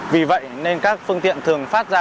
vì vậy nên các phương tiện thường phát ra